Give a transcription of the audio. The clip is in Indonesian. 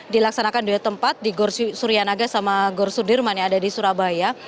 dilaksanakan dua tempat di gor suryanaga sama gor sudirman yang ada di surabaya